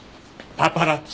パパラッチ。